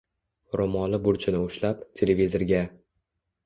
Ro‘moli burchini ushlab, televizorga...